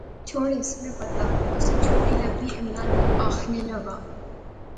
چھوڑیس، میں پتہ، تسیں چٹھی لبی، عمران آخنے لاغآ